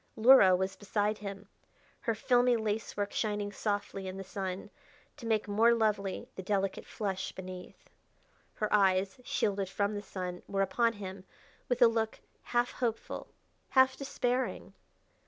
Luhra was beside him, her filmy lacework shining softly in the sun, to make more lovely the delicate flush beneath. Her eyes, shielded from the sun, were upon him with a look half hopeful, half despairing.